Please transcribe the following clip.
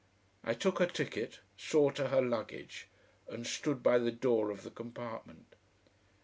I took her ticket, saw to her luggage, and stood by the door of the compartment.